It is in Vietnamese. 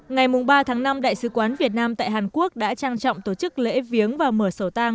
ngày ba tháng năm đại sứ quán việt nam tại hàn quốc đã trang trọng tổ chức lễ viếng và mở sổ tang